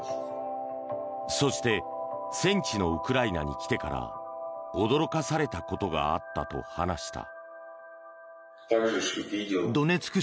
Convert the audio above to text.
そして戦地のウクライナに来てから驚かされたことがあったと話した。